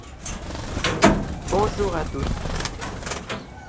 bonjour à tous.